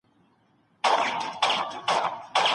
د ميرمني د دوستانو سپکاوی مه کوئ.